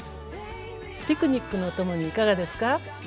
ピクニックのお供にいかがですか？